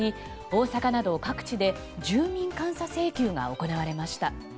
大阪など各地で住民監査請求が行われました。